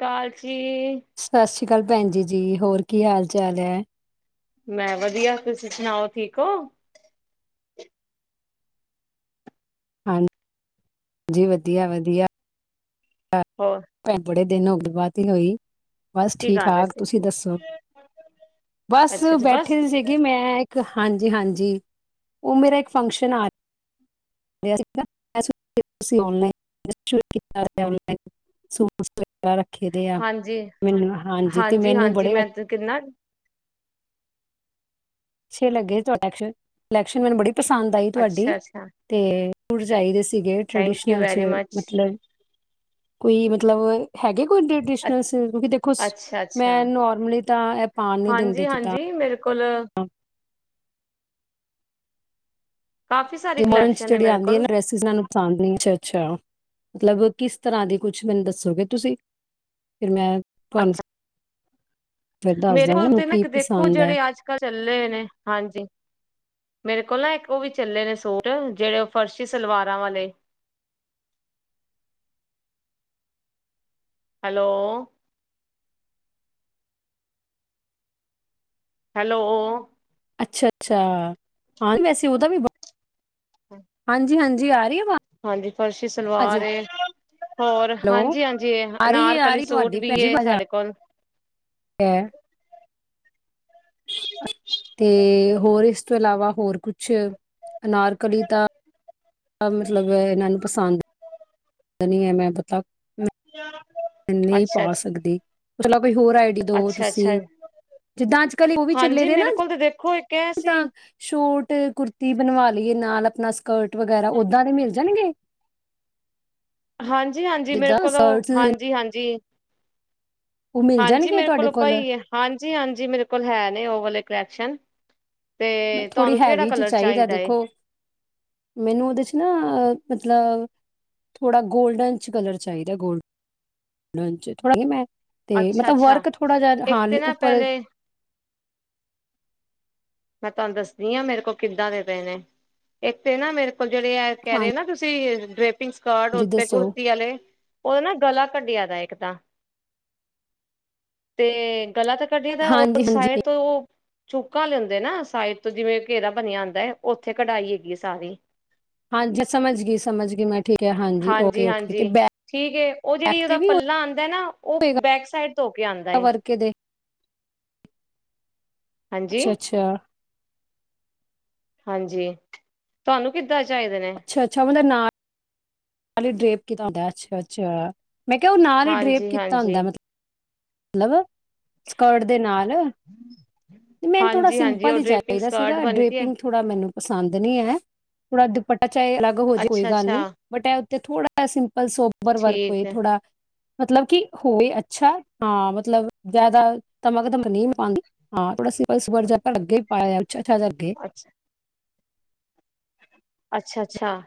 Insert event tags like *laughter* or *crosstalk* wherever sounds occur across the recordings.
ਕਾਲ, ਜੀ *unintelligible* ਸਤਿ ਸ਼੍ਰੀ ਅਕਾਲ ਭੈਣ ਜੀ ਜੀ ਹੋਰ ਕੀ ਹਾਲ ਚਾਲ ਹੈ। ਮੈਂ ਵਧੀਆ ਤੁਸੀਂ ਸੁਣਾਓ ਠੀਕ ਹੋ। ਹਾਂ, ਜੀ ਵਧੀਆ ਵਧੀਆ ਹੋਰ ਬੜੇ *unintelligible* ਦਿਨ ਹੋ ਗੇ ਬਾਅਤ ਹੋਈ। ਬਸ ਕੀ ਠੀਕ ਕਰ ਰਹੇ ਠਾਕ ਸੀ ਤੁਸੀਂ ਦੱਸੋ, ਬਸ ਅੱਛਾ ਅੱਛਾ ਬਸ ਬੈਠੇ ਸੀਗੇ ਮੈਂ। ਹਾਂਜੀ-ਹਾਂਜੀ, ਉਹ ਮੇਰਾ ਇੱਕ ਫੰਕਸ਼ਨ ਆ *unintelligible* ਰੱਖੇ ਦੇ ਆ, ਹਾਂਜੀ ਮੈਨੂੰ ਹਾਂਜੀ ਤੇ ਮੈਨੂੰ ਹਾਂਜੀ ਬੜੇ ਮੈਂ ਕਿੰਨਾ ਛੇ ਲੱਗੇ ਤੁਹਾਡੇ *unintelligible* ਇਲੈਕਸ਼ਨ ਮੈਨੂੰ ਬੜੀ ਪਸੰਦ ਆਈ ਤੁਹਾਡੀ ਅੱਛਾ ਅੱਛਾ ਤੇ ਫੂਟ ਚਾਹੀਦੇ ਸੀ ਸੀਗੇ ਥੈਂਕ ਯੂ ਟ੍ਰਡੀਸ਼ਨਲ ਚ ਵੈਰੀ ਮਚ ਮਤਲਬ ਕੋਈ ਮਤਲਬ ਹੈਗੇ। ਕੋਈ ਟ੍ਰਡੀਸ਼ਨਲ ਸੀ ਅੱਛਾ ਕਿਉਂਕਿ ਦੇਖੋ ਅੱਛਾ ਅੱਛਾ ਮੈਂ ਨੋਰਮਲੀ ਤਾਂ ਇਹ ਪਾਨ ਨੀ ਦਿੰਦੇ ਹਾਂਜੀ ਜਿੱਦਾਂ। ਹਾਂਜੀ ਮੇਰੇ ਕੋਲ, ਕਾਫੀ ਸਾਰੀ ਕਲੈਕਸ਼ਨ ਹੈ ਜਿਹੜੀ ਮੇਰੇ ਆਦੀ ਨੀ ਕੋਲ ਡਰੈਸੀਸ ਇੰਨਾ ਨੂੰ ਪਸੰਦ ਨੀ। ਅੱਛਾ ਮਤਲਬ ਕਿਸ ਤਰ੍ਹਾਂ ਦੀ ਕੁਛ ਮੈਨੂੰ ਦੱਸੋਗੇ ਤੁਸੀਂ ਫਿਰ ਮੈਂ ਤੁਹਾਨੂੰ ਅੱਛਾ ਫਿਰ ਦੱਸ ਮੇਰੇ ਦਾਂਗੀ ਕੋਲ ਮੈਨੂੰ ਤੇ ਨਾ ਕੀ ਦੇਖੋ ਪਸੰਦ ਹੈ ਜਿਹੜੇ ਅੱਜ ਕੱਲ ਚੱਲੇ ਹੋਏ ਨੇ ਹਾਂਜੀ। ਮੇਰੇ ਕੋਲ ਨਾ ਇੱਕ ਉਹ ਵੀ ਚੱਲੇ ਨੇ ਸੂਟ ਜਿਹੜੇ ਉਹ ਫਰਸ਼ੀ ਸਲਵਾਰਾਂ ਵਾਲੇ ਹੈਲੋ। ਹੈਲੋ। ਅੱਛਾ ਅੱਛਾ ਹਾਂ ਵੈਸੇ ਉਹਦਾ ਵੀ ਹਾਂਜੀ ਹਾਂਜੀ ਜੀ ਆ ਰਹੀ ਏ। ਹਾਂਜੀ ਫਰਸ਼ੀ ਸਲਵਾਰ ਏ ਹੋਰ ਹੈਲੋ ਹਾਂਜੀ ਹਾਂਜੀ ਆ ਰਹੀ ਹੈ ਆ ਅਨਾਰਕਲੀ ਰਹੀ ਸੂਟ ਤੁਹਾਡੀ ਵੀ ਭੈਣ ਜੀ ਏ ਆਵਾਜ਼ ਆ ਸਾਡੇ ਕੋਲ। ਰਹੀ ਹੈ *unintelligible* ਤੇ ਹੋਰ ਇਸ ਤੋਂ ਇਲਾਵਾ ਹੋਰ ਕੁਛ ਅਨਾਰਕਲੀ ਤਾਂ ਮਤਲਬ ਇਹਨਾਂ ਨੂੰ ਪਸੰਦ ਨੀ ਹੈ ਮੈਂ ਪਤਾ *unintelligible* ਨਹੀਂ ਅੱਛਾ ਪਾ ਅੱਛ ਸਕਦੀ। ਚਲੋ ਹੋਰ ਆਈਡੀ ਦਵੋ ਅੱਛਾ-ਅੱਛਾ ਤੁਸੀਂ, ਜਿੱਦਾਂ ਅੱਜ ਕੱਲ ਉਹ ਵੀ ਚੱਲੇ ਹਾਂਜੀ ਦੇ ਮੇਰੇ ਨਾ ਕੋਲ ਤਾਂ ਦੇਖੋ ਇੱਕ ਐ ਸੀ ਸ਼ੋਟ ਕੁੁਰਤੀ ਬਣਵਾ ਏ ਨਾਲ ਆਪਣਾ ਸਕਰਟ ਵਗੈਰਾ ਓਦਾਂ ਦੇ ਮਿਲ ਜਾਣਗੇ। ਹਾਂਜੀ, ਹਾਂਜੀ ਮੇਰੇ ਜਿੱਦਾਂ ਕੋਲ ਸਕਰਟਸ ਹਾਂਜੀ, ਹਾਂਜੀ ਉਹ ਮਿਲ ਹਾਂਜੀ ਜਾਣਗੇ ਮੇਰੇ ਤੁਹਾਡੇ ਕੋਲ ਪਈ ਹੈ ਹਾਂਜੀ, ਹਾਂਜੀ ਮੇਰੇ ਕੋਲ ਹੈ ਨੇ, ਉਹ ਵਾਲੇ ਕੋਲੇਕਸ਼ਨ ਮ ਥੋੜ੍ਹੀ ਹੈਵੀ ਚ ਚਾਹੀਦਾ ਏ ਦੇਖੋ ਮੈਨੂੰ ਉਹਦੇ ਚ ਮੈਂ ਮਤਲਬ ਥੋੜਾ ਗੋਲਡਨ ਚ ਕਲਰ ਚਾਹੀਦਾ ਏ, ਗੋਲ ਗੋਲਡਨ ਚ ਥੋੜ੍ਹਾ ਮੈਂ ਤੇ ਮਤਲਬ ਅੱਛਾ-ਅੱਛਾ ਵਰਕ ਥੋੜ੍ਹਾ ਜਿਹਾ ਇੱਕ ਹਾਂ ਤੇ ਨਾ ਉੱਪਰ ਪਹਿਲੇ ਮੈਂ ਤੁਹਾਨੂੰ ਦੱਸਦੀ ਆ ਮੇਰੇ ਕੋਲ ਕਿੱਦਾਂ ਦੇ ਪਏ ਨੇ ਇੱਕ ਤੇ ਨਾ ਮੇਰੇ ਕੋਲ ਜਿਹੜੇ ਆ ਕਹਿ ਰਹੇ ਨਾ ਹਾਂਜੀ ਤੁਸੀਂ ਡਰੇਪਿੰਗ ਸਕਰਟ ਉੱਤੇ ਦੱਸੋ ਕੁੁਰਤੀ ਵਾਲੇ ਉਹਦੇ ਨਾ ਗਲਾ ਕਢੀਆਂ ਦਾ ਇੱਕ ਤਾਂ ਤੇ ਗਲਾ ਤਾਂ ਕੱਢਿਆ ਦਾ ਹਾਂਜੀ ਹਾਂਜੀ ਸਾਈਡ ਤੋਂ ਉਹ ਚੂੱਕਕਾ ਲੈਂਦਾ ਤੇ ਨਾ ਸਾਈਟ ਤੋਂ ਜਿਵੇਂ ਘੇਰਾ ਬਣਿਆ ਹੁੰਦਾ ਹੈ, ਉੱਥੇ ਕਢਾਈ ਹੈਗੀ ਏ ਸਾਰੀ ਹਾਂਜੀ ਸਮਝ ਗਈ ਸਮਝ ਗਈ ਮੈਂ ਠੀਕ ਹੈ ਹਾਂਜੀ, ਓਕੇ ਓਕੇ ਤੇ ਹਾਂਜੀ ਬੈਕ ਠੀਕ ਉਹ ਜਿਹੜੀ ਉਹ ਤੇ ਓਦਾ ਵੀ ਪੱਲਾ ਆਉਂਦਾ ਹੈ ਨਾ ਉਹ ਹੋਏ ਬੈਕ ਸਾਈਡ ਹੋ ਕੇ ਆਦਾ ਏ। ਵਰਕੇ ਦੇ ਅੱਛਾ, ਹਾਂਜੀ-ਹਾਂਜੀ ਅੱਛਾ। ਹਾਂਜੀ, ਤੁਹਾਨੂੰ ਕਿ ਚਾਹੀਦੇ ਨੇ ਹੱ *unintelligible* *unintelligible* ਹਾਲੀ ਡਰੇਪ ਕਿਣਾ ਦਾ ਅੱਛਾ, ਅੱਛਾ ਮੈਂ ਕਿਹਾ ਉਹ ਨਾਲ ਹੀ ਡਰੇਪ ਕੀਤਾ ਹਾਂਜੀ-ਹਾਂਜੀ, ਹੁੰਦਾ ਮਤਲਬ ਲਵੋ। ਸਕਰਟ ਦੇ ਨਾਲ ਮੈਨੂੰ ਥੋੜ੍ਹਾ ਹਾਂਜੀ-ਹਾਂਜੀ ਸਿੰਪਲ ਉਹ ਹੀ ਡਰੇਪਿੰਗ ਚਾਹੀਦਾ ਸਕਰਟ ਸੀਗਾ, ਬਣੀ ਦੀ ਹੈ ਡ੍ਰਰੇਪਿੰਗ ਥੋੜ੍ਹਾ ਮੈਨੂੰ ਪਸੰਦ ਨਹੀਂ ਹੈ। ਪੂਰਾ ਦੁਪਟਾ ਚਾਹੇ ਅਲੱਗ ਹੋ ਜਾ ਕੋਈ ਗੱਲ ਅੱਛਾ-ਅੱਛਾ ਨੀ, ਬਟ ਇਹ ਉੱਥੇ ਥੋੜਾ ਸਿੰਪਲ ਸੋਬਰ ਵਰਕ ਠੀਕ ਹੋਏ ਹੈ ਥੋੜਾ ਮਤਲਬ ਕਿ ਹੋਵੇ ਅੱਛਾ ਹਾਂ, ਮਤਲਬ ਜਿਆਦਾ ਧਮਕਦਮ ਨਹੀਂ ਪਾਉਂਦੀ ਹਾਂ ਥੋੜਾ ਸੀ ਸੋਬਰ ਜਿਹਾ ਲੱਗੇ ਪਾਇਆ ਅੱਛਾ ਥੋੜਾ ਜਿਹਾ ਅੱਗੇ *inaudible* ਅੱਛਾ, ਅੱਛਾ-ਅੱਛਾ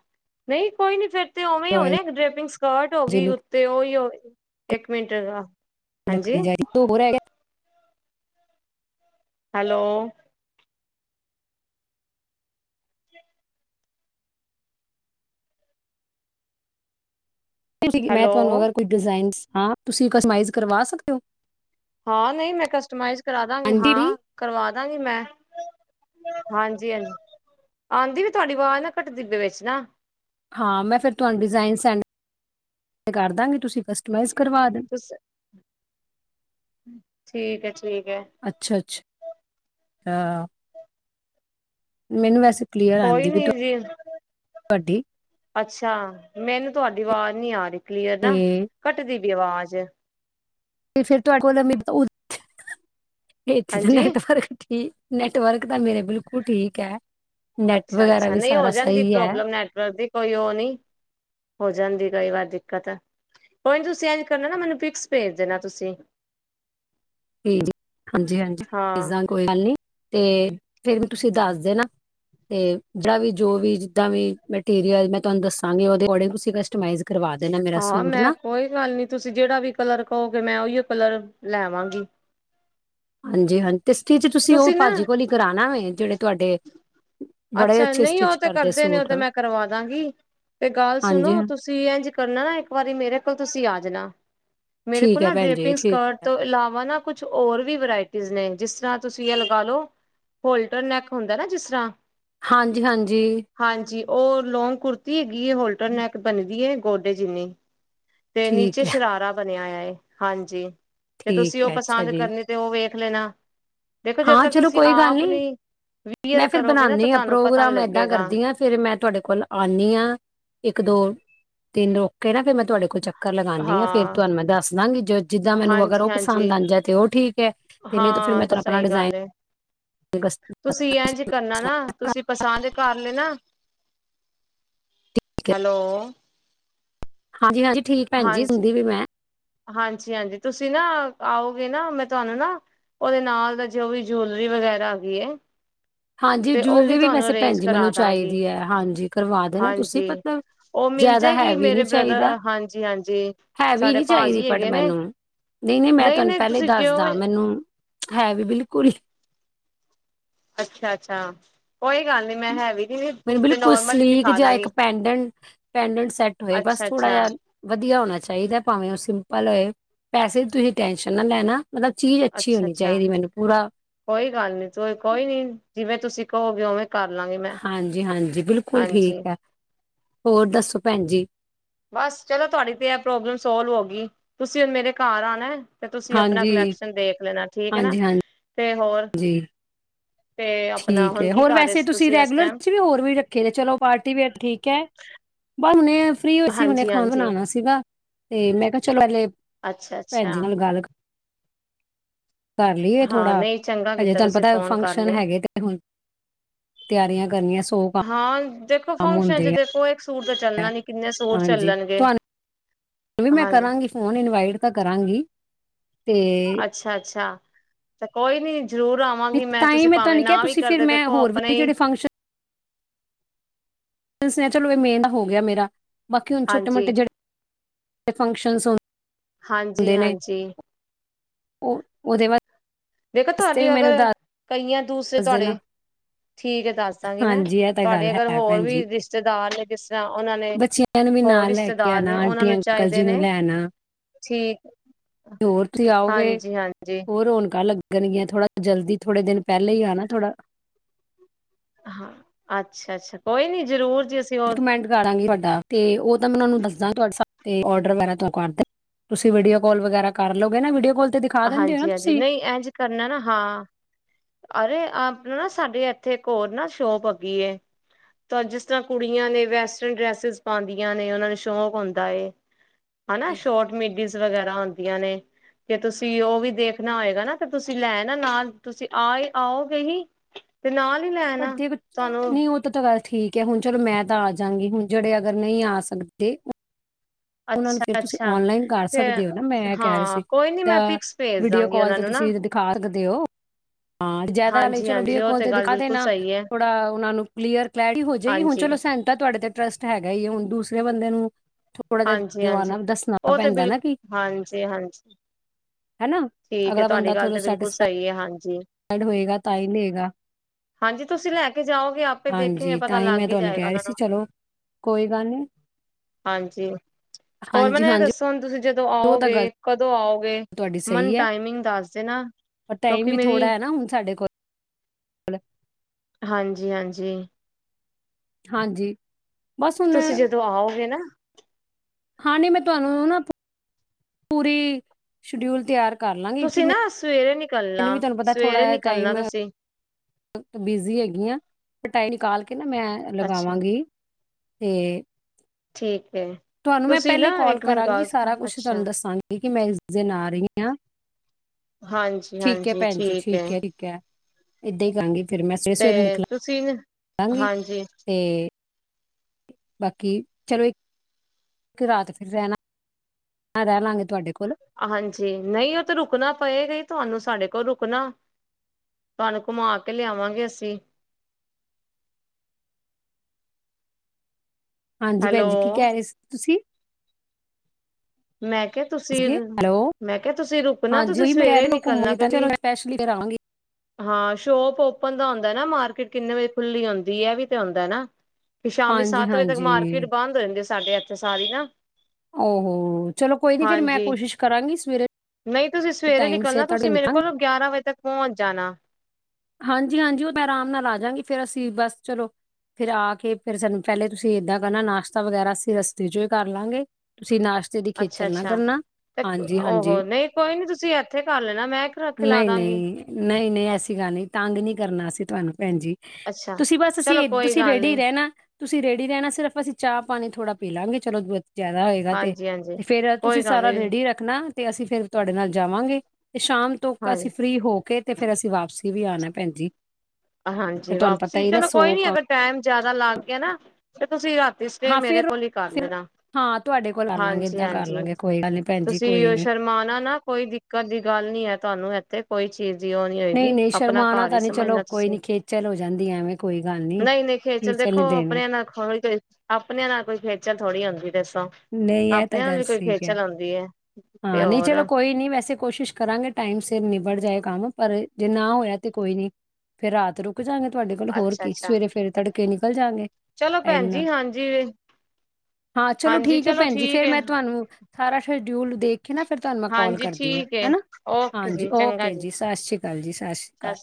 ਨਹੀਂ ਕੋਈ ਨੀ ਫੇਰ। ਤੇ ਉਵੇਂ ਰੋਇਲ ਹੋਣੇ ਇੱਕ ਡੈਪਿੰਗ ਸਕਰਟ ਜੀ ਹੋਗੀ ਲੁੱਕ ਉੱਤੇ ਉਹੀ ਹੋ ਇੱਕ ਮਿੰਟ ਅ ਲ ਹੋ ਰਿਹਾ *unintelligible* *unintelligible* ਹੈਲੋ। ਤੁਸੀ ਕਿ, ਮੈਂ ਹੈਲੋ ਤੁਹਾਨੂੰ ਅਗਰ ਕੋਈ ਡਿਜ਼ਾਈਨਸ ਹਾਂ, ਤੁਸੀਂ ਕਸਮਾਈਜ਼ ਕਰਵਾ ਸਕਦੇ ਹੋ। ਹਾਂ ਨਹੀਂ ਮੈਂ ਕਸਟਮਾਈਜ਼ ਕਰਵਾ ਦਾਂਗੀ ਹਾਂਜੀ ਜੀ ਹਾਂ ਕਰਵਾ ਦਾਂਗੀ ਮੈਂ। ਹਾਂਜੀ-ਹਾਂਜੀ ਆਉਂਦੀ ਵੀ ਤੁਹਾਡੀ ਆਵਾਜ਼ ਨਾ ਘੱਟਦੀ ਪਈ ਵਿੱਚ ਨਾ। ਹਾਂ, ਮੈਂ ਫਿਰ ਤੁਹਾਨੂੰ ਡਿਜ਼ਾਇਨ ਸੇਡ ਕਰਦਾਂ ਗੀ ਤੁਸੀਂ ਕਸਟਮਾੲਜ਼ ਤੁੱਸ ਠੀਕ ਏ ਠੀਕ। ਹੈ ਅੱਛਾ-ਅੱਛਾ। ਤ ਮੈਨੂੰ ਵੈਸੇ ਕੋਈ ਆਂਦੀ ਵੀ ਨੀ ਜੀ ਤੁਹਾਡੀ ਅੱਛਾ ਮੈਨੂੰ ਤੁਹਾਡੀ ਆਵਾਜ਼ ਨਹੀਂ ਆ ਰਹੀ। ਕਲੀਅਰ ਨਾ ਤੇ ਘੱਟਦੀ ਦੀ ਆਵਾਜ਼। ਤੇ ਫਿਰ ਤੁਹਾਡੇ ਕੋਲ ਮੇ *unintelligible* *unintelligible* ਇੱਥੇ ਤਾ ਹਾਂਜੀ ਨੇਟਵਰਕ ਹੀ। ਨੈਟਵਰਕ ਇਕ ਗੱਲ ਮੇਰੇ ਬਿਲਕੁਲ ਠੀਕ ਏ। ਨੈਟ ਅੱਛਾ ਵਗੈਰਾ ਅੱਛਾ ਵੀ ਨਹੀਂ ਹੋ ਸਾਰਾ ਜਾਂਦੀ ਸਹੀ ਐ। ਪ੍ਰੋਬਲਮ ਨੈਟਵਰਕ ਦੀ ਕੋਈ ਉਹ ਨੀ ਹੋ ਜਾਂਦੀ ਕਈ ਵਾਰ ਦਿੱਕਤ ਏ। ਕੋਈ ਨ ਤੁਸੀਂ ਏਂਜ ਕਰਨਾ ਨਾ ਮੈਨੂੰ ਪਿਕਸ ਭੇਜ ਦੇਨਾ ਤੁਸੀਂ। ਜੀ, ਹਾਂਜੀ, ਹਾਂਜੀ ਹਾਂ ਪੇਜਦਾਗੀ ਕੋਈ ਗੱਲ ਨੀ। ਤੇ ਫੇਰ ਵੀ ਤੁਸੀਂ ਦੱਸ ਦੇ ਨਾ, ਤੇ ਜੇਹੜਾ ਵੀ ਜੋ ਵੀ ਜਿੱਦਾਂ ਵੀ ਮਟੀਰੀਅਲ ਮੈਂ ਤੁਹਾਨੂੰ ਦੱਸਾਂਗੀ ਉਹਦੇ ਅਕੋਰਡਿੰਗ ਤੁਸੀਂ ਕਸਟਮਾਈਜ਼ ਕਰਵਾ ਦੇਣਾ ਮੇਰਾ ਹਾਂ ਸੂਟ ਮੈਂ ਨਾ ਕੋਈ ਗੱਲ ਨੀ ਤੁਸੀਂ ਜਿਹੜਾ ਵੀ ਕਲਰ ਕੋਗੇ ਮੈਂ ਉਈਓ ਕਲਰ ਲੈਵਾਂਗੀ। ਹਾਂਜੀ, ਹਾਂਜੀ। ਤੇ ਸਟੀਚ ਤੁਸੀਂ ਉਹ ਭਾਜੀ ਕੋਲ ਈ ਕਰਾਨਾ ਵੇ ਜਿਹੜੇ ਤੁਹਾਡੇ ਬੜੇ ਅੱਛਾ ਅੱਛੇ ਨਹੀਂ ਉਹ ਸਟਿਚ ਤੇ ਕਰਦੇ ਨੇ ਉਹ ਸੂਟ ਤੇ ਮੈਂ ਕਰਵਾਦਾਂਗੀ। ਤੇ ਗੱਲ ਸੁਣੋ ਹਾਂਜੀ ਹਾਂ ਤੁਸੀਂ ਇੰਝ ਕਰਨਾ ਨਾ ਇੱਕ ਵਾਰੀ ਮੇਰੇ ਕੋਲ ਤੁਸੀਂ ਆ ਜਾ ਨਾ। ਮੇਰੇ ਠੀਕ ਕੋਲ ਹੈ ਨਾ ਭੈਣ ਜੀ ਡੰਰੇਪਿੰਗ ਠੀਕ ਸਕਰਟ ਹੈ ਤੋਂ ਇਲਾਵਾ ਨਾ ਕੁਛ ਹੋਰ ਵੀ ਵਰਾਇਟੀਸ ਨੇ ਜਿਸ ਜਿਸ ਤਰ੍ਹਾਂ ਤੁਸੀਂ ਇਹ ਲਗਾ ਲੋ, ਹੋਲਡ ਨੈਕ ਹੁੰਦਾ ਨਾ ਜਿਸ ਤਰ੍ਹਾਂ। ਹਾਂਜੀ ਹਾਂਜੀ ਹਾਂਜੀ ਉਹ ਲੋਂਗ ਕੁੜਤੀ ਹੈਗੀ ਏ ਹੋਲ ਤੁਹਾਡੀ ਨੇਕ ਬਨੀਦੀਏ ਗੋਡੇ ਜਿੰਨੀ। ਤੇ ਨੀਚੇ ਠੀਕ ਹੈ ਸ਼ਰਾਰਾ ਬ ਲੇਆਇਆ ਏ ਹਾਂਜੀ। ਤੇ ਤੁਸੀਂ ਠੀਕ ਉਹ ਹੈ ਅੱਛਾ ਪਸੰਦ ਜੀ ਕਰਨੀ ਤੇ ਉਹ ਵੇਖ ਲੇਨਾ। ਦੇਖੋ ਜਦ ਹਾਂ ਤੱਕ ਚਲੋ ਤੁਸੀਂ ਕੋਈ ਗੱਲ ਆਪ ਨਹੀਂ ਨੀ ਵੀਅਰ ਮੈਂ ਫਿਰ ਕਰੋਗੇ ਨਾ ਬਣਾਉਂਦੀ ਹਾਂ ਪਤਾ ਨੀ ਪ੍ਰੋਗਰਾਮ ਏਦਾਂ ਲੱਗੇਗਾ ਕਰਦੀ ਆਂ, ਫੇਰ ਮੈਂ ਤੁਹਾਡੇ ਕੋਲ ਆਨੀ ਆਂ। ਇੱਕ ਦੋ ਤਿੰਨ ਰੁਕੇ ਕੇ ਨਾ ਫੇਰ ਮੈ ਤੁਹਾਡੇ ਕੋਲ ਚੱਕਰ ਲਗਾਨੀ ਆ ਫੇਰ ਹਾਂ ਤੁਹਾਨੂੰ ਮੈਂ ਦੱਸ ਦਾਂਗੀ ਜੋ ਜਿੱਦਾਂ ਮੈਨੂੰ ਅਗਰ ਉਹ ਪਸੰਦ ਹਾਂਜੀ-ਹਾਂਜੀ, ਆ ਜਾਏ ਤੇ ਉਹ ਠੀਕ ਏ ਤੇ ਨਈ ਤੇ ਫੇਰ ਹਾਂ ਮੈਂ ਤ ਗੱਲ ਤੁਸੀਂ ਇੰਝ ਕਰਨਾ ਨਾ, ਤੁਸੀਂ ਪਸੰਦ ਕਰ ਲੇਨਾ। ਹੈਲੋ। ਹਾਂਜੀ, ਹਾਂਜੀ। ਠੀਕ ਭੈਜੀ ਸੁਨਦੀ ਪੀ ਮੈਂ। ਹਾਂਜੀ, ਹਾਂਜੀ ਤੁਸੀਂ ਨਾ ਆਓਗੇ ਨਾ ਮੈਂ ਤੁਹਾਨੂੰ ਨਾ ਉਹਦੇ ਨਾਲ ਦਾ ਜੋ ਵੀ ਜੁਲਰੀ ਵਗੈਰਾ ਹੈਗੀ ਐ ਹਾਂਜੀ ਜੁਅਲਰੀ ਵੀ ਵੈਸੇ ਭੈਣਜੀ ਕਰਾ ਮੈਨੂੰ ਦਾਂਗੀ, ਚਾਹੀਦੀ ਏ। ਹਾਂਜੀ ਕਰਵਾ ਦੇਨਾ ਤੁਸੀਂ ਹਾਂਜੀ ਪਟ ਉਹ ਮਿਲ ਜ਼ਿਆਦਾ ਜਾਏਗੀ ਹੈਵੀ ਨਈ ਮੇਰੇ ਬ੍ਰਦਰ ਚਾਹੀਦਾ। ਹਾਂਜੀ-ਹਾਂਜੀ। ਹੈਵੀ ਸਾਡੇ ਨਹੀਂ ਚਾਹੀਦੀ ਭਾਜੀ ਪਟ ਹੈਗੇ ਨੇ ਮੈਨੂੰ। ਨਈ, ਨਈ ਮੈਂ ਤੁਹਾਨੂੰ ਨਹੀਂ-ਨਹੀਂ ਪਹਿਲੇ ਤੁਸੀਂ ਜਿਉ ਦੱਸਦਾ ਮੈਨੂੰ, ਹੈਵੀ ਬਿਲਕੁਲ ਹੀ ਅੱਛਾ, ਅੱਛਾ। ਮੈਨੂੰ ਬਿਲਕੁਲ ਨੋਰਮਲ ਹੀ ਸਲੀਕ ਦਿਖਾ ਜਾਂ ਇੱਕ ਦਾਂਗੀ ਪੈਂਡਨਟ- ਪੈਂਡਟ ਸੈੱਟ ਹੋਏ। ਬਸ ਥੋੜਾ ਅੱਛਾ-ਅੱਛਾ, ਜ ਵਧੀਆ ਹੋਣਾ ਚਾਹੀਦਾ ਭਾਵੇਂ ਉਹ ਸਿੰਪਲ ਹੋਏ। ਪੈਸੇ ਦੀ ਤੁਸੀਂ ਟੈੈਂਸ਼ਨ ਨਾ ਲੈਣਾ। ਮਤਲਬ ਚੀਜ਼ ਅੱਛੀ ਅੱਛਾ ਹੋਣੀ -ਅੱਛਾ ਚਾਹੀਦੀ ਮੈਨੂੰ ਪੂਰਾ ਕੋਈ ਗੱਲ ਨੀ ਕੋਈ ਨੀ, ਜਿਵੇਂ ਤੁਸੀਂ ਕਹੋਗੇ ਉਵੇਂ ਕਰ ਲਾਂਗੀ ਮੈਂ ਹਾਂਜੀ -ਹਾਂਜੀ ਬਿਲਕੁਲ ਠੀਕ ਹਾਂਜੀ ਹੈ। ਹੋਰ ਦੱਸੋ ਭੈਣ ਜੀ, ਬਸ ਚਲੋ ਤੁਹਾਡੀ ਤੇ ਇਹ ਪ੍ਰੋਬਲਮ ਸੋਲਵ ਹੋ ਗਈ। ਤੁਸੀਂ ਮੇਰੇ ਘਰ ਆਣਾ। ਤੇ ਤੁਸੀਂ ਆਪਣਾ ਹਾਂਜੀ ਕਲੈਕਸ਼ਨ ਦੇਖ ਲੈਣਾ। ਠੀਕ ਹੈ, ਨਾ ਤੇ ਹੋਰ ਜੀ, ਤੇ ਆਪਣਾ ਠੀਕ ਹੁਣ ਹੈ, ਕੀ ਹੋਰ ਕਰ ਰਹੇ ਵੈਸੇ ਸੀ ਤੁਸੀਂ ਇਸ ਰੈਗੂਲਰ ਟਾਈਮ ਚ ਵੀ ਹੋਰ ਵੀ ਰੱਖੇ ਚਲੋ, ਪਾਰਟੀ ਵੇਅਰ ਠੀਕ ਹੈ। ਪਰ ਨੇਲਸ ਫਰੀ ਹੋਈ ਸੀ ਹੁਨੇ, ਹਾਂਜੀ ਖਾਣ ਹਾਂਜੀ ਬਣਾਉਣਾ ਸੀਗਾ। ਤੇ ਮੈਂ ਕਿਹਾ -ਚਲੋ ਲੇ ਅੱਛਾ- ਅੱਛਾ। ਕਰ ਲਈਏ ਹਾਂ ਥੋੜਾ, ਨਹੀਂ ਚੰਗਾ ਹਜੇ ਕੀਤਾ ਤੁਹਾਨੂੰ ਤੁਸੀਂ ਪਤਾ ਫੋਨ ਕਰ ਫੰਕਸ਼ਨ ਲਿਆ ਹੈਗੇ ਤੇ ਹੁਣ ਤਿਆਰੀਆਂ ਕਰਨੀਆਂ ਸੌ ਹਾਂ। ਦੇਖੋ, ਕੰਮ ਫੰਕਸ਼ਨ ਹੁੰਦੇ ਚ ਦੇਖੋ ਇੱਕ ਸੂਰ ਤਾਂ ਆ ਚੱਲਣਾ ਨੀ ਕਿੰਨੇ ਸੂਰ ਚੱਲਣਗੇ। ਕ ਵੀ ਮੈਂ ਹਾਂਜੀ ਕਰਾਂਗੀ ਫੋਨ ਇਨਵਾਟ ਤਾਂ ਕਰਾਂਗੀ। ਤੇ ਅੱਛਾ -ਅੱਛਾ ਤੇ ਕੋਈ ਨੀ ਜਰੂਰ ਆਵਾਂਗੀ। ਮੈਂ ਤਾਂ ਹੀ ਤੁਸੀਂ ਭਾਵੇਂ ਤੁਹਾਨੂੰ ਕਿਹਾ ਨਾ ਵੀ ਤੁਸੀਂ ਫਿਰ ਕਰਦੇ ਮੈਂ ਦੇਖੋ ਹੋਰ ਆਪਣੇ ਵੀ ਹੀ ਜਿਹੜੇ ਫੰਕਸ਼ਨ ਸੁ ਚਲੋ। ਇਹ ਮੇਨ ਦਾ ਹੋ ਗਿਆ ਮੇਰਾ ਬਾਕੀ ਹੁਣ ਛੋਟੇ- ਹਾਂਜੀ ਮੋਟੇ ਜਿਹੜੇ ਫੰਕਸ਼ਨ ਹੁੰ ਹਾਂਜੀ -ਹਾਂਜੀ। ਉਹ ਉਹਦੇ ਬਾਅਦ ਦੇਖੋ, ਤੁਹਾਡੀ ਅਗਰ ਕਈਆਂ ਦੂਸਰੇ ਦੇਣਾ ਤੁਹਾਡੇ, ਠੀਕ ਹੈ। ਦੱਸ ਦਾਂਗੀ ਮੈਂ ਹਾਂਜੀ ਇਹ ਤਾਂ ਗੱਲ ਤੁਹਾਡੇ ਅਗਰ ਹੈ ਹੋਰ ਭੈਣ ਜੀ ਵੀ ਰਿਸ਼ਤੇਦਾਰ ਨੇ ਜਿਸ ਤਰ੍ਹਾਂ ਉਹਨਾਂ ਨੇ ਬੱਚਿਆਂ ਨੂੰ ਵੀ ਹੋਰ ਨਾਲ ਲੈ ਕੇ ਰਿਸ਼ਤੇਦਾਰ ਨੇ ਆਣਾ ਉਹਨਾਂ ਆਂਟੀ ਨੂੰ ਅੰਕਲ ਚਾਹੀਦੇ ਜੀ ਨੂੰ ਨੇ ਲੈਣਾ ਠੀਕ ਹੋਰ ਤੁਸੀਂ ਆਓਗੇ। ਹਾਂਜੀ-ਹਾਂਜੀ ਹੋਰ ਰੋਣਕਾ ਲੱਗੇ ਲੱਗਣਗੀਆਂ ਥੋੜ੍ਹਾ ਜਲਦੀ ਥੋੜੇ ਦਿਨ ਪਹਿਲੇ ਆਣਾ ਥੋੜ੍ਹਾ ਹਾਂ। ਅੱਛਾ -ਅੱਛਾ ਕੋਈ ਨੀ ਜਰੂਰ ਮੈਂਡ ਕਰਾਂਗੇ ਤੁਹਾਡਾ ਤੇ ਉਹ ਤਾਂ ਮੈਂ ਉਹਨਾਂ ਨੂੰ ਦ ਔਡਰ ਵਗੈਰਾ ਕਰ ਤੁਸੀਂ ਵੀਡੀਓ ਕਾਲ ਵਗੈਰਾ ਕਰਲੋਗੇ ਨਾ ਵੀਡੀਓ ਕਾਲ ਤੇ ਦਿਖਾ ਦਿੰਦੇ ਹੋ ਨਾ ਹਾਂਜੀ ਹਾਂਜੀ ਤੁਸੀਂ ਨਹੀਂ ਐਂ ਜ ਕਰਨਾ ਨਾ ਹਾਂ ਅਰੇ ਆਪਣਾ ਨਾ ਸਾਡੇ ਇਥੇ ਇਕ ਹੋਰ ਨਾ ਸ਼ੋਪ ਹੈਗੀ ਐ ਤੇ ਜਿਸ ਤਰ੍ਹਾਂ ਕੁੜੀਆਂ ਨੇ ਵੇਸਟਰਨ ਡ੍ਰੈਸਜ਼ ਪਾਾਂਦੀਆਂ ਨੇ ਓਨਾ ਨੂੰ ਸ਼ੋਕ ਹੁੰਦਾ ਏ। ਹਨਾ ਸ਼ੋਰਟ ਮਿਡੀਜ਼ ਵਗੈਰਾ ਹੁੰ ਦੀਆਂ ਨੇ ਜੇ ਤੁਸੀਂ ਉਹ ਵੀ ਦੇਖਣਾ ਹੋਏਗਾ ਨਾ ਤੇ ਤੁਸੀਂ ਲੈ ਨਾ ਨਾਲ ਤੁਸੀਂ ਆ ਹੀ ਆਓਗੇ ਹੀ ਤੇ ਨਾਲ ਹੀ ਲੈਣਾ ਪਰਦੇ ਕੁਛ ਤੁਹਾਨੂੰ ਨਹੀਂ ਹੋ ਤਾਂ ਤਾਂ ਵੈਸ ਠੀਕ ਹੈ ਹੁਣ ਚਲੋ ਮੈਂ ਤਾਂ ਆ ਜਾਂਗੀ ਹੁਣ ਜਿਹੜੇ ਅਗਰ ਨਹੀਂ ਆ ਸਕਦੇ। ਉਹਨਾਂ ਨੂੰ ਅੱਛਾ ਫਿਰ ਤੁਸੀਂ ਅੱਛਾ ਔਨਲਾਈਨ ਕਰ ਤੇ ਸਕਦੇ ਹੋ ਨਾ ਮੈਂ ਕਹਿ ਰਹੀ ਹਾਂ ਸੀ ਕੋਈ ਨੀ ਤਾਂ ਮੈਂ ਪਿਕਸ ਭੇਜ ਵੀਡੀਓ ਦਾਂਗੀ ਕਾਲ ਉਹਨਾਂ ਤੇ ਨੂੰ ਨਾ ਤੁਸੀਂ ਦਿਖਾ ਸਕਦੇ ਹੋ। ਹਾਂ ਜ਼ਿਆਦਾ ਹਾਂਜੀ ਚਲੋ ਹਾਂਜੀ ਵੀਡੀਓ ਉਹ ਕੌਲ ਤੇ ਗੱਲ ਦਿਖਾ ਬਿਲਕੁਲ ਦੇਣਾ ਸਹੀ ਹੈ ਥੋੜਾ ਉਹਨਾਂ ਨੂੰ ਕਲੀਅਰ ਕਲੈਰਿਟੀ ਹੋ ਜਾਏਗੀ, ਹੁਣ ਹਾਂਜੀ ਚਲੋ ਸਾਨੂੰ ਤਾ ਤੁਹਾਡੇ ਤੇ ਟਰੱਸਟ ਹੈਗਾ ਹੁਣ ਦੂਸਰੇ ਬੰਦੇ ਨੂੰ ਥੋੜਾ ਜਿਹਾ ਹਾਂਜੀ-ਹਾਂਜੀ ਦਿਵਾਣਾ ਦੱਸਣਾ ਉਹ ਤੇ ਪੈਂਦਾ ਨਾ ਕਿ ਬਿਲਕੁ ਹਾਂਜੀ- ਹਾਂਜੀ ਹਨਾ, ਠੀਕ ਹੈ ਅਗਲਾ ਤੁਹਾਡੀ ਬੰਦਾ ਗੱਲ ਥੋੜਾ ਤੇ ਬਿਲਕੁਲ ਸੈਟਿਸਫਾਈਡ ਸਹੀ ਹੈ ਹਾਂਜੀ। ਹੋਏਗਾ ਤਾਂ ਹੀ ਲੇਗਾ ਹਾਂਜੀ ਤੁਸੀਂ ਲੈ ਕੇ ਜਾਓਗੇ ਆਪੇ ਦੇਖੇਗੇ ਹਾਂਜੀ ਪਤਾ ਤਾਂ ਹੀ ਮੈਂ ਲੱਗ ਤੁਹਾਨੂੰ ਜਾਏਗਾ ਕਹਿ ਰਹੀ ਉਹਨਾਂ ਸੀ, ਨੂੰ ਚਲੋ ਕੋਈ ਗੱਲ ਨੀ। ਜੀ ਹੋਰ ਮੈਨੂੰ ਇਹ ਹਾਂਜੀ-ਹਾਂਜੀ ਦੱਸੋ ਹੁਣ ਤੁਸੀਂ ਜ ਕਦੋਂ ਉਹ ਤਾਂ ਗੱਲ ਆਓਗੇ ਕਦੋਂ ਹਾਂ, ਉਹ ਤੁਹਾਡੀ ਸਹੀ ਹੈ ਰ ਟਾਈਮ ਕਿਉਂਕਿ ਵੀ ਮੇਰੀ ਥੋੜਾ ਹੈ ਨਾ ਹੁਣ ਸਾਡੇ ਕੋਲ ਹਾਂਜੀ- ਹਾਂਜੀ। ਹਾਂਜੀ। ਬਸ ਹੁਣ ਤੁਸੀਂ ਜਦੋਂ ਆਓਗੇ ਨਾ ਹਾਂ ਨੀ ਮੈਂ ਤੁਹਾਨੂੰ ਨੂੰ ਨਾ ਪੂਰੀ ਸ਼ਡਿਊਲ ਤਿਆਰ ਕਰ ਲਾਂਗੀ ਕਿ ਤੁਸੀਂ ਨਾ ਸਵੇਰੇ ਨਿ ਮੈਨੂੰ ਵੀ ਨਿਕਲਣਾ ਤੁਹਾਨੂੰ ਪਤਾ ਥੋੜਾ ਸਵੇਰੇ ਜਿਹਾ ਨਿਕਲਣਾ ਟਾਈਮ ਤੁਸੀਂ ਬਿਜ਼ੀ ਹੈਗੀ ਆ ਪਟਾਈ ਨਿਕਾਲ ਕੇ ਮੈਂ ਅੱਛਾ ਲਗਾਵਾਂਗੀ। ਤੇ ਠੀਕ। ਹੈ ਤੁਹਾਨੂੰ ਮੈਂ ਤੁਸੀਂ ਪਹਿਲੇ ਨਾ ਕੌਲ ਇੱਕ ਮਿੰਟ ਕਰਾਂਗੀ ਗੱਲ ਸਾਰਾ ਕੁਛ ਤੁਹਾਨੂੰ ਅੱਛਾ ਦੱਸਾਂਗੀ ਕਿ ਮੈਂ ਇਸੇ ਦਿਨ ਆ ਰਹੀ ਹਾਂ ਠੀਕ ਹੈ ਭੈਣ ਜੀ ਠੀਕ ਹੈ ਠੀਕ ਹੈ, ਏਦਾਂ ਹੀ ਕਰਾਂਗੀ ਫਿਰ ਮੈਂ ਤੇ ਸਵੇਰੇ-ਸਵੇਰੇ ਨਿਕਲਾਂ ਤੁਸੀਂ ਕਰਾਂਗੀ ਹਾਂਜੀ ਤੇ ਬਾਕੀ ਚਲੋ ਇੱਕ ਇਕ ਰਾਤ ਫਿਰ ਰਹਿਣਾ। ਅ। ਹਾਂਜੀ ਨਹੀਂ ਉਹ ਤਾਂ ਰੁਕਣਾ ਪਏ ਗ ਤੁਹਾਨੂੰ ਸਾਡੇ ਕੋਲ ਰੁਕਣਾ ਤੁਹਾਨੂੰ ਘੁਮਾ ਕੇ ਕਿੰਨੇ ਕ ਲਿਆਵਾਂਗੇ ਅਸੀਂ ਹਾਂਜੀ ਭੈਣ ਜ ਕੀ ਹੈਲੋ ਕਹਿ ਰਹੇ ਤੁਸੀਂ ਮੈਂ ਕਿਹਾ ਤੁਸੀਂ ਸੀਗੇ ਹੈਲੋ ਮੈਂ ਕਿਹਾ ਤੁਸੀਂ ਰੁਕਣਾ ਹਾਂਜੀ ਤੁਸੀਂ ਉਹੀ ਮੈਂ ਕਹਿ ਸਵੇਰੇ ਹੀ ਰਹੀ ਲੋਕ ਨਿਕਲਣਾ ਘੁੰਮਾਂਗੀ ਤਾਂ ਚਲੋ ਕਿਉਂਕਿ ਸਪੈਸ਼ਲੀ ਕਰਾਂਗੀ ਹਾਂ ਸ਼ੋਪ ਓਪਨ ਦਾ ਹ। ਹ ਨਾ ਮਾਰਕੀਟ ਕਿੰਨੇ ਵਜੇ ਖੁੱਲੀ ਹੁੰਦੀ ਹੈ ਵੀ ਤੇ ਹੁੰਂਦਾ ਨਾ। ਕਿ ਸ਼ਾਮੀ ਹਾਂਜੀ ਸੱਤ ਵਜੇ ਤੱਕ ਹਾਂਜੀ ਮਾਰਕੀਟ ਬੰਦ ਰਹਿੰਦੇ। ਸਾਡੇ ਇੱਥੇ ਸਾਰੀ ਨਾ ਹੋ। ਚਲੋ ਕੋਈ ਨੀ ਫੇਿਰ ਮੈਂ ਹਾਂਜੀ ਕੋਸ਼ਿਸ਼ ਕਰਾਂਗੀ ਸਵੇਰੇ ਨਹੀਂ ਤੁਸੀਂ ਸਵੇਰੇ ਟਾਈਮ ਸੇ ਨਿਕਲਣਾ ਤੜਕੇ ਤੁਸੀਂ ਮੇਰੇ ਨਿਕਲਾਂਗੇ ਕੋਲ ਗਿਆਰਾਂ ਵਜੇ ਤੱਕ ਪਹੁੰਚ ਜਾਣਾ। ਹਾਂਜੀ ਹਾਂਜੀ ਉਹ ਮੈਂ ਆਰਾਮ ਨਾਲ ਆ ਜਾਂਵਾਂਗੀ ਫੇਰ ਅਸੀਂ ਬਸ ਚਲੋ ਫਿਰ ਆ ਕੇ ਫਿਰ ਸਾਨੂੰ ਪਹਿਲੇ ਤੁਸੀਂ ਏਦਾਂ ਕਰਨਾ ਨਾਸ਼ਤਾ ਵਗੈਰਾ ਅਸੀਂ ਰਸਤੇ ਚੋਂ ਹੀ ਕਰ ਲਾਂਗੇ। ਨਾਸ਼ਤੇ ਦੀ ਖੇਚਲ ਨਾ ਅੱਛਾ-ਅੱਛਾ ਕਰਨਾ ਤੇ ਹਾਂਜੀ ਹਾਂਜੀ ਉਹ-ਉਹ ਨਹੀਂ ਕੋਈ ਨੀ ਤੁਸੀਂ ਇੱਥੇ ਕਰ ਲੈਣਾ, ਮੈਂ ਖਿਲਾ ਨਹੀਂ, ਦਾਂਗੀ ਨਹੀਂ, ਨਹੀਂ, ਨਹੀਂ ਐਸੀ ਗੱਲ ਨਹੀਂ ਤੰਗ ਨਹੀਂ ਕਰਨਾ ਅਸੀਂ ਤੁਹਾਨੂੰ। ਭੈਣਜੀ ਅੱਛਾ ਤੁਸੀਂ ਬਸ ਚਲੋ ਅਸੀਂ, ਕੋਈ ਤੁਸੀਂ ਗੱਲ ਰੇਡੀ ਨੀ ਰਹਿਣਾ। ਤੁਸੀਂ ਰੇਡੀ ਰਹਿਣਾ, ਸਿਰਫ ਅਸੀਂ ਚਾਹ ਪਾਣੀ ਥੋੜਾ ਪੀ ਲਾਂਗੇ ਚਲੋ ਜ਼ਿਆਦਾ ਹੋਏਗਾ ਤੇ, ਹਾਂਜੀ ਹਾਂਜੀ ਫੇਰ ਤੁਸੀਂ ਕੋਈ ਗੱਲ ਸਾਰਾ ਨੀ ਰੇਡੀ ਰੱਖਣਾ। ਤੇ ਅਸੀਂ ਫਿਰ ਤੁਹਾਡੇ ਨਾਲ ਜਾਵਾਂਗੇ। ਤੇ ਸ਼ਾਮ ਤੋਂ ਹਾਂਜੀ ਅਸੀਂ ਫ੍ਰੀ ਹੋ ਕੇ ਤੇ ਫੇਰ ਅਸੀਂ ਵਾਪਸੀ ਵੀ ਆਣਾ ਭੈਣ ਜੀ ਫਿਰ ਹਾਂਜੀ ਤੁਹਾਨੂੰ ਪਤਾ ਵਾਪਸੀ, ਹੀ ਨਾ ਚਲੋ ਸੌ ਕੋਈ ਨੀ ਕੰਮ ਅਗਰ ਟੈ ਟਾਈਮ ਜਿਆਦਾ ਲਾ ਤਾ ਗੇ ਨਾ, ਤੇ ਤੁਸੀਂ ਰਾਤੀ ਸਟੇ ਹਾਂ ਮੇਰੇ ਫਿਰ ਕੋਲ ਹੀ ਕਰ ਫਿਰ ਲੇਣਾ, ਹਾਂ ਤੁਹਾਡੇ ਕੋਲ ਕਰ ਲਾਂਗੇ ਏਦਾਂ ਕਰ ਹਾਂਜੀ-ਹਾਂਜੀ ਲਾਂਗੇ ਕੋਈ ਗੱਲ ਨਹੀਂ ਭੈਣ ਜੀ ਕੋਈ ਤੁਸੀਂ ਨਹੀਂ, ਸ਼ਰਮਾਣਾ ਨਾ ਕੋਈ ਦਿੱਕਤ ਦੀ ਗੱਲ ਨੀ ਹੈ। ਤੁਹਾਨੂੰ ਇੱਥੇ ਕੋਈ ਚੀਜ਼ ਜੀ ਉਹ ਨੀ ਨਹੀਂ, ਹੋਏਗੀ, ਨਹੀਂ ਆਪਣਾ ਸ਼ਰਮਾਣਾ ਘਰ ਹੀ ਤਾਂ ਨਹੀਂ ਚਲੋ ਸਮਝਣਾ ਕੋਈ ਤੁਸੀਂ, ਨਹੀਂ ਖੇਚਲ ਹੋ ਜਾਂਦੀ ਐਵੇਂ ਕੋਈ ਗੱਲ ਨਹੀਂ ਨਹੀਂ-ਨਹੀਂ ਖੇਚਲ ਦੇਖੋ ਨਹੀਂ ਦੇਣੀ। ਅਪਣੇਆ ਨਾਲ *unintelligible* ਆਪਣਿਆਂ ਨਾਲ ਕੋਈ ਖੇਚ *unintelligible* ਚਲ ਥੋੜੀ ਹੁੰਦੀ *unintelligible* *unintelligible* ਨਹੀਂ ਇਹ ਆਪਣੇ ਤਾਂ ਨਾਲ ਗੱਲ ਵੀ ਕੋਈ ਠੀਕ ਖੇਚਲ ਹੁੰਦੀ ਹੈ? ਤੇ ਹਾਂ ਨਹੀਂ ਹੋਰ ਚਲੋ ਕੋਈ ਨੀ, ਵੈਸੇ ਕੋਸ਼ਿਸ਼ ਕਰਾਂਗੇ ਟਾਈਮ ਸਿਰ ਨਿਬੜ ਜਾਏ ਕੰਮ, ਪਰ ਜੇ ਨਾ ਹੋਇਆ ਤੇ ਕੋਈ ਨੀ, ਫੇਰ ਰਾਤ ਰੁ ਰੁਕ ਜਾਾਂਗੇ ਤੁਹਾਡੇ ਕੋਲ ਹੋਰ ਕੀ, ਅੱਛਾ-ਅੱਛਾ ਸਵੇਰੇ ਫੇਰ ਤੜਕੇ ਨ ਕਲ ਜਾਂਗੇ। ਚਲੋ ਟਾਈਮ ਭੈਣ ਨਾਲ, ਜੀ ਹਾਂਜੀ ਹਾਂ ਚਲੋ ਹਾਂਜੀ ਠੀਕ ਹੈ ਭੈਣ ਜੀ, ਠੀਕ ਫੇਰ ਹੈ ਮੈਂ ਤੁਹਾਨੂੰ ਸਾਰਾ *unintelligible* ਡਯੁਲ ਕੇ ਨਾ ਫਿਰ ਤੁਹਾਨੂੰ ਮੈਂ ਕੋਲ ਹਾਂਜੀ ਕਰਦੀ ਹਾਂ ਠੀਕ ਹੈ ਨਾ, ਓਕੇ ਹਾਂਜੀ ਜੀ ਚੰਗਾ ਓਕੇ ਜੀ, ਸਤਿ ਸ਼੍ਰੀ ਅਕਾਲ ਜੀ, ਸਤਿ ਸ਼੍ਰੀ ਅਕਾਲ।